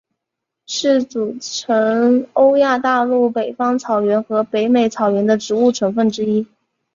是组成欧亚大陆北方草原和北美草原的植物成分之一。